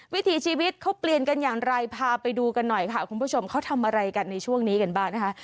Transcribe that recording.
วิถีชีวิตเขาเปลี่ยนกันอย่างไรพาไปดูกันหน่อยค่ะคุณผู้ชมเขาทำอะไรกันในช่วงนี้กันบ้างนะคะ